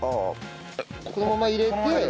このまま入れて。